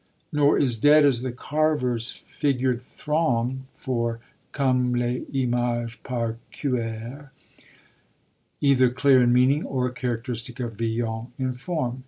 Nor is 'Dead as the carver's figured throng' (for 'Comme les images, par cueur') either clear in meaning, or characteristic of Villon in form.